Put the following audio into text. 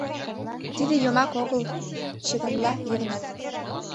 — Тиде йомак огыл! — чыгынла Йыгнат.